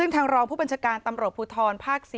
ทางรองผู้บัญชาการตำรวจภูทรภาค๔